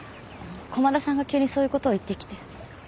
駒田さんが急にそういうことを言ってきて。